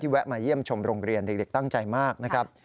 แวะมาเยี่ยมชมโรงเรียนเด็กตั้งใจมากนะครับ